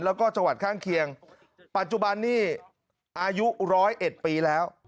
แล้วก็จังหวัดข้างเคียงปัจจุบันนี้อายุร้อยเอ็ดปีแล้ว